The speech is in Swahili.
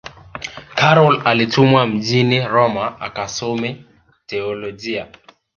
karol alitumwa mjini roma akasome teolojia